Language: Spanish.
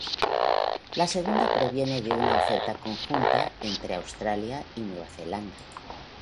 La segunda proviene de una oferta conjunta entre Australia y Nueva Zelanda.